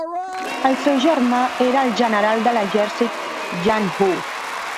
El seu germà era el general de l'exèrcit Yang Hu.